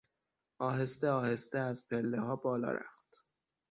آهستهآهسته از پلهها بالا رفت.